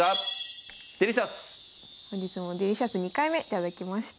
本日もデリシャス２回目頂きました。